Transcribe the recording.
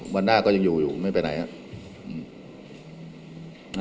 วันหน้าก็ยังอยู่อยู่ไม่ไปไหนครับ